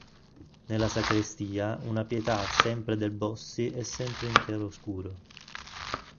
Nella sacrestia una "Pietà" sempre del Bossi e sempre in chiaroscuro.